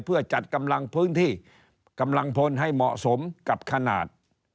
เพื่อจัดกำลังพื้นที่กำลังพลให้เหมาะสมกับขนาด